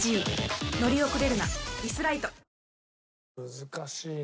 難しいね。